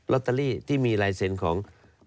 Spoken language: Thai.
ตเตอรี่ที่มีลายเซ็นต์ของ